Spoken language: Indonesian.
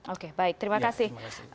oke baik terima kasih